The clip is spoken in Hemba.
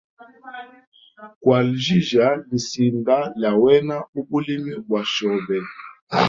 Kwaljija lisinda lya wena ubulimi bwa shobe.